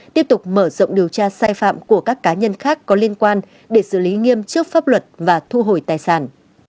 tiếp tục mở rộng điều tra sai phạm của các cá nhân khác có liên quan để xử lý nghiêm trước pháp luật và thu hồi tài sản